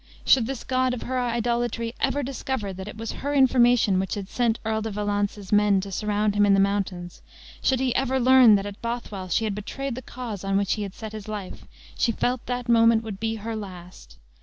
Should this god of her idolatry ever discover that it was her information which had sent Earl de Valence's men to surround him in the mountains; should he ever learn that at Bothwell she had betrayed the cause on which he had set his life, she felt that moment would be her last.